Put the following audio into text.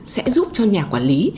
sẽ giúp cho nhà quản lý